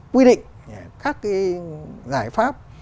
quy định các cái giải pháp